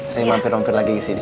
saya mampir mampir lagi kesini